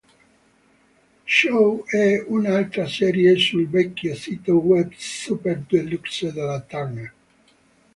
Show" e un'altra serie sul vecchio sito web Super Deluxe della Turner.